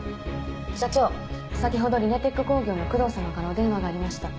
社長先ほどリネテック工業の工藤様からお電話がありました。